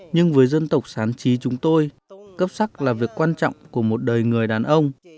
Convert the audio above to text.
nhưng với dân tộc sán trí chúng tôi cấp sắc là việc quan trọng của một đời người đàn ông